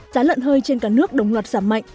giá lợn hơi trên cả nước đồng loạt giảm mạnh